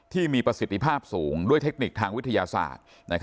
ที่มีประสิทธิภาพสูงด้วยเทคนิคทางวิทยาศาสตร์